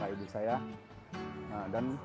dan di situ saya ikut kelas dua smp